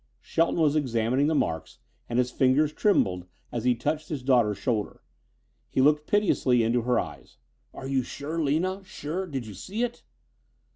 Shelton was examining the marks, and his fingers trembled as he touched his daughter's shoulder. He looked piteously into her eyes. "Are you sure, Lina? Sure? Did you see it?"